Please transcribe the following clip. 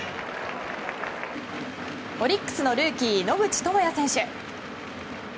オリックスのルーキー野口智哉選手。